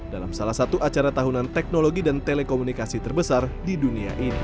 dalam salah satu acara tahunan teknologi dan telekomunikasi terbesar di dunia ini